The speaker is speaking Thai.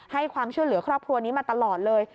ให้ความช่วยเหลือครอบครัวนี้มาตลอดเลย